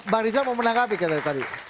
pak riza mau menangkapi keadaan tadi